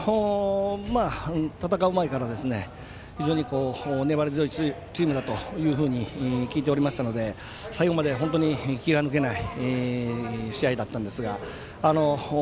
戦う前から非常に粘り強いチームだと聞いておりましたので最後まで本当に気が抜けない試合だったんですが。